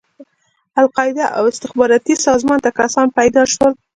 القاعده او استخباراتي سازمان ته کسان پيدا شول.